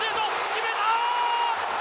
決めた。